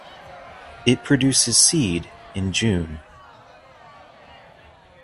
It produces seed in June.